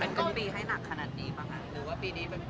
มันเป็นปัญหาจัดการอะไรครับ